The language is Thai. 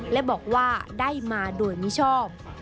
และบอกว่าได้มาโดยมิชอบ